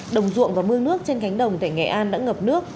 đồng ruộng và mương nước trên cánh đồng tại nghệ an đã ngập nước